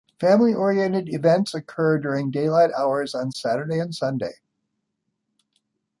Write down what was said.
Family-oriented events occur during daylight hours on Saturday and Sunday.